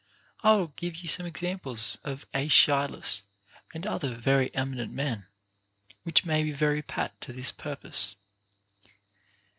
I will give you some examples of Aeschylus and other very eminent men, which may be very pat to this purpose.